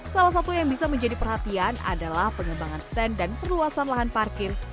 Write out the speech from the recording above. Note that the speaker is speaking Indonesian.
salah satu yang bisa menjadi perhatian adalah pengembangan stand dan perluasan lahan parkir